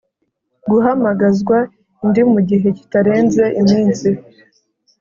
guhamagazwa indi mu gihe kitarenze iminsi